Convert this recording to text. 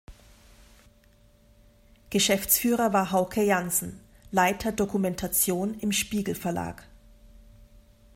Geschäftsführer war Hauke Janssen, Leiter Dokumentation im Spiegel-Verlag.